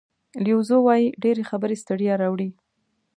لیو زو وایي ډېرې خبرې ستړیا راوړي.